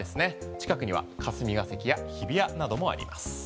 近くには霞が関や日比谷などもあります。